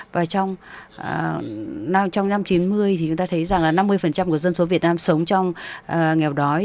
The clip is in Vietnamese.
và trong năm chín mươi thì chúng ta thấy rằng là năm mươi của dân số việt nam sống trong nghèo đói